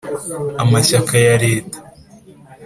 amashyaka ya leta